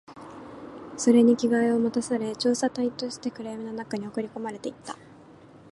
それに着替えを持たされ、調査隊として暗闇の中に送り込まれていった